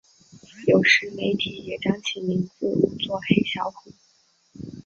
有时媒体也将其名字误作黑小虎。